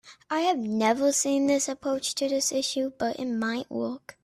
I have never seen this approach to this issue, but it might work.